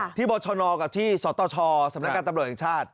บรชนกับที่สตชสำนักการตำรวจแห่งชาติ